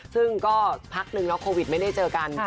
ซึ่งก็พักนึงเนาะโควิดไม่ได้เจอกัน